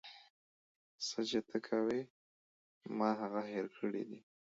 څه چې ته کوې ما هغه هير کړي دي.